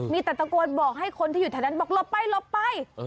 มีตัดตะโกนบอกให้คนที่อยู่ทางนั้นบอกลบไป